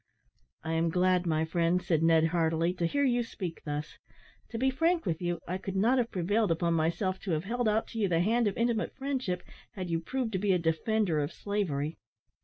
"I am glad, my friend," said Ned, heartily, "to hear you speak thus; to be frank with you, I could not have prevailed upon myself to have held out to you the hand of intimate friendship had you proved to be a defender of slavery."